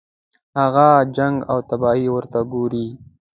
هغه جنګ او تباهي ورته ګوري.